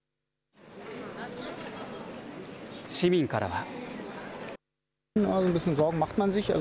市民からは。